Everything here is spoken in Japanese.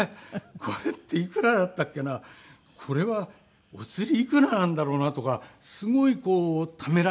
これっていくらだったっけなこれはおつりいくらなんだろうな？とかすごいこうためらいがありましてね。